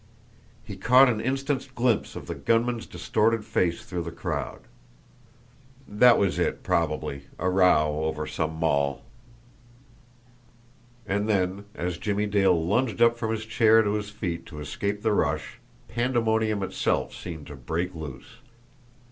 He caught an instant's glimpse of the gunman's distorted face through the crowd. That was it probably a row over some moll. And then, as Jimmie Dale lunged up from his chair to his feet to escape the rush, pandemonium itself seemed to break loose.